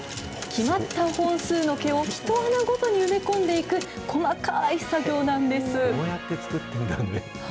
その作り方、決まった本数の毛をひと穴ごとに埋め込んでいく、細かい作業なんです。